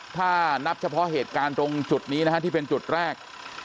ถ้านับเฉพาะเหตุการณ์ตรงจุดนี้นะฮะที่เป็นจุดแรก